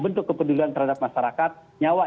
bentuk kepedulian terhadap masyarakat nyawa